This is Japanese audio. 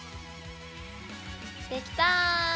できた！